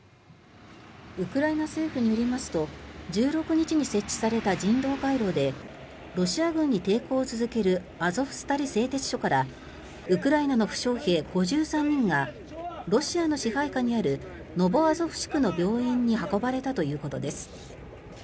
ウクライナ政府によりますと１６日に設置された人道回廊でロシア軍に抵抗を続けるアゾフスタリ製鉄所からウクライナの負傷兵５３人がロシアの支配下にあるノボアゾフシクの病院に運ばれたということです。